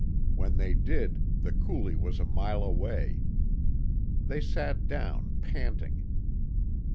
When they did, the coulee was a mile away. They sat down, panting.